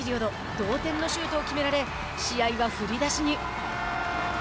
同点のシュートを決められ試合は振り出しに。